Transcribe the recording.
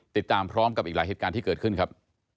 ติดตามพร้อมกับอีกหลายเหตุการณ์ที่เกิดขึ้นครับ